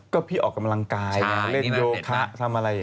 ก็พี่ออกกำลังกายเล่นโยคะทำอะไร